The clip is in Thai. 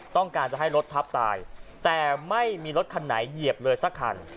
ต้องการจะให้รถทับตายแต่ไม่มีรถคันไหนเหยียบเลยสักคัน